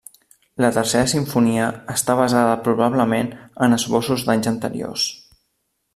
La tercera simfonia està basada probablement en esbossos d'anys anteriors.